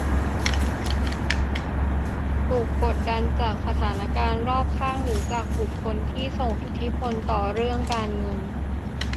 ถูกกดดันจากสถานการณ์รอบข้างหรือจากบุคคลที่ส่งอิทธิพลต่อเรื่องการเงิน